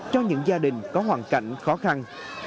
cho những gia đình có hoàn cảnh khó khăn